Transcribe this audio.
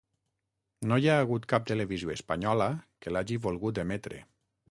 No hi ha hagut cap televisió espanyola que l’hagi volgut emetre.